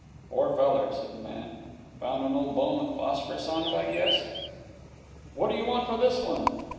'Poor feller,' said the man. 'Found an old bone with phosphorus on it, I guess.' 'What do you want for this one?'